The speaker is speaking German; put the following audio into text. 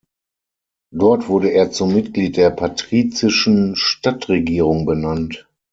Dort wurde er zum Mitglied der patrizischen Stadtregierung benannt.